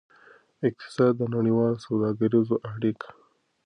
اقتصاد د نړیوالو سوداګریزو اړیک